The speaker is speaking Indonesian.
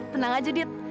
tenang aja dit